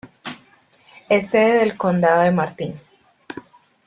Es sede del condado de Martin.